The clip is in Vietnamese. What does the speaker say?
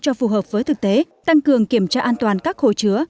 trạm bơm cho phù hợp với thực tế tăng cường kiểm tra an toàn các hồ chứa